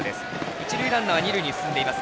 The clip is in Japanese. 一塁ランナーは二塁に進んでいます。